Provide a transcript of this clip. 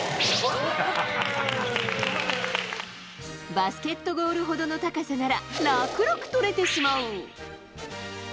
バスケットゴールほどの高さなら、楽々取れてしまう。